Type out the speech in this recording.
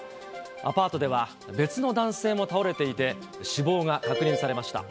アパートでは別の男性も倒れていて、死亡が確認されました。